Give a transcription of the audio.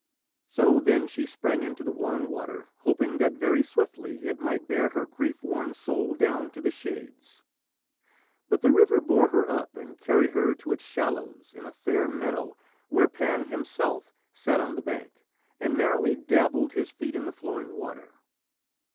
So then she sprang into the wan water, hoping that very swiftly it might bear her grief worn soul down to the shades. But the river bore her up and carried her to its shallows in a fair meadow where Pan himself sat on the bank and merrily dabbled his feet in the flowing water.